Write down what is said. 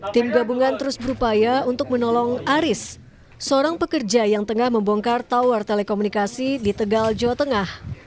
tim gabungan terus berupaya untuk menolong aris seorang pekerja yang tengah membongkar tower telekomunikasi di tegal jawa tengah